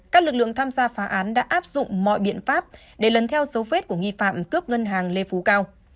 các lực lượng tham gia phá án đã áp dụng mọi biện pháp để lần theo dấu vết của nghi phạm cướp ngân hàng lê phú cao